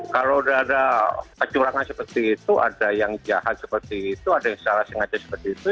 kalau sudah ada kecurangan seperti itu ada yang jahat seperti itu ada yang secara sengaja seperti itu